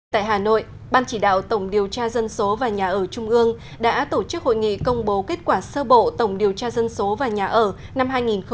tại hà nội ban chỉ đạo tổng điều tra dân số và nhà ở trung ương đã tổ chức hội nghị công bố kết quả sơ bộ tổng điều tra dân số và nhà ở năm hai nghìn một mươi chín